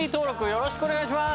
よろしくお願いします！